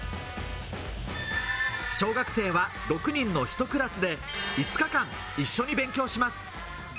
小学生は６人の１クラスで５日間一緒に勉強します。